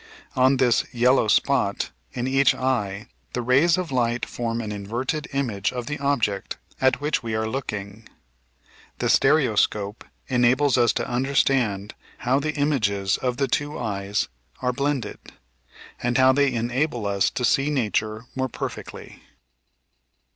On this "yellow spot" in each eye the rays of light form an inverted image of the object at which we are looking. The stereoscope enables us to under The Body^Machlne and Its Work 35S stand how the images of the two eyes are blended, and how they enable us to see natiu*e more perfectly.